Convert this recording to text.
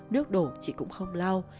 nước đổ chị cũng không lau